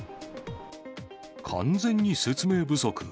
完全に説明不足。